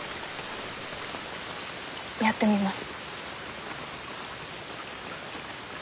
やってみます。